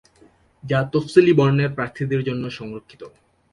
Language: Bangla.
যা তফসিলি বর্ণের প্রার্থীদের জন্য সংরক্ষিত।